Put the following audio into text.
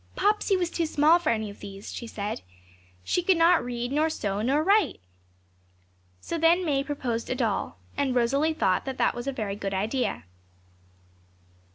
'Popsey was too small for any of these,' she said; 'she could not read, nor sew, nor write.' So then May proposed a doll, and Rosalie thought that was a very good idea.